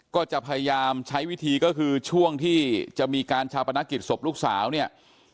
ก็จะพยายามใช้วิธีก็คือช่วงที่จะมีการชาปนกิจศพลูกสาวเนี่ย